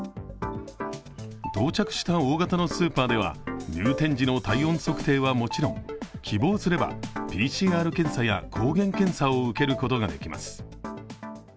到着した大型のスーパーでは入店時の体温測定はもちろん、希望すれば、ＰＣＲ検査や抗原検査を受けることができます。